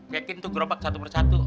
check in tuh gerobak satu persatu